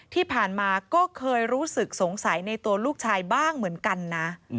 ที่ผ่านมาก็เคยรู้สึกสงสัยในตัวลูกชายบ้างเหมือนกันนะ